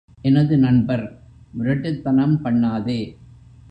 எனது நண்பர், முரட்டுத்தனம் பண்ணாதே!